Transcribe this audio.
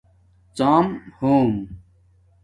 ڎام ہوم